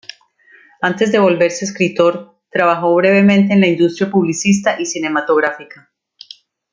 Antes de volverse escritor, trabajó brevemente en la industria publicista y cinematográfica.